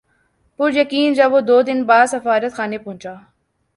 پُریقین جب وہ دو دن بعد سفارتخانے پہنچا